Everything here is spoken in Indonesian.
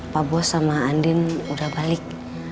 pak bos sama andin udah balik